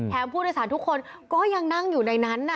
ผู้โดยสารทุกคนก็ยังนั่งอยู่ในนั้น